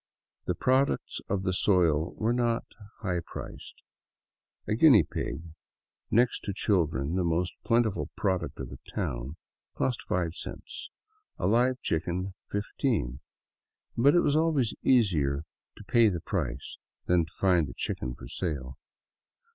The products of the soil were not high priced: A guinea pig — next to children the most plentiful product of the town — cost five cents; a live chicken, fifteen; but it was always easier to pay the price than to find the chicken for sale.